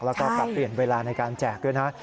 แล้วก็ปรับเปลี่ยนเวลาในการแจกด้วยนะ